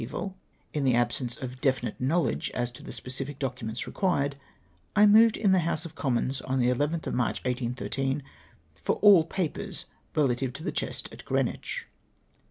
evil, ill the absence of definite knowledge as to the specific documents required, I moved in the House of CJommons, on the 11th of March 1813, for all j^apers relative to the chest at Greenwich.